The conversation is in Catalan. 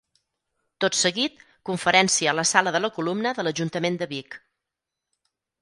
Tot seguit, conferència a la Sala de la Columna de l'Ajuntament de Vic.